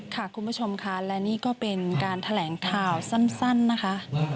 คุณผู้ชมค่ะและนี่ก็เป็นการแถลงข่าวสั้นนะคะ